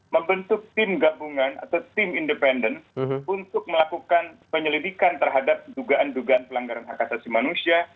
membentuk tim gabungan atau tim independen untuk melakukan penyelidikan terhadap dugaan dugaan pelanggaran hak asasi manusia